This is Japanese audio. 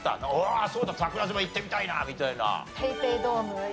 「ああそうだ桜島行ってみたいな」みたいな。